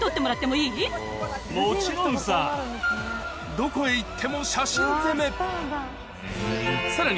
どこへ行っても写真攻めさらに